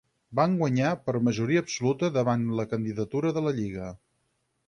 Van guanyar per majoria absoluta davant la candidatura de la Lliga.